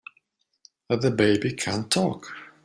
The baby can TALK!